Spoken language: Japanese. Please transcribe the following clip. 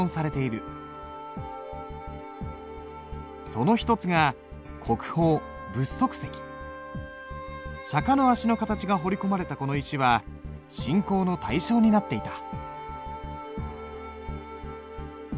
その一つが国宝釈の足の形が彫り込まれたこの石は信仰の対象になっていた。